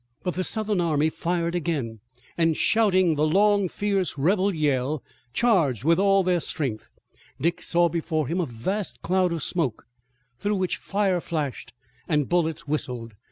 But the Southern army fired again, and shouting the long fierce rebel yell, charged with all its strength. Dick saw before him a vast cloud of smoke, through which fire flashed and bullets whistled.